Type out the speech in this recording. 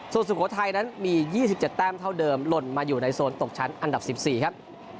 ทุกสมุทรไทยนั้นมียี่สิบ๐๙่งแป้งเท่าเดิมล่นมาอยู่ในโซนตกชั้นอันดับสิบสี่ครับ